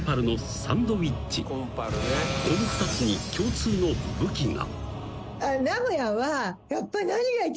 ［この２つに共通の武器が］